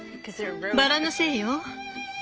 バラのせいよ。